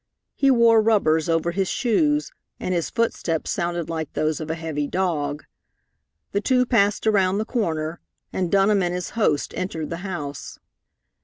He wore rubbers over his shoes, and his footsteps sounded like those of a heavy dog. The two passed around the corner, and Dunham and his host entered the house.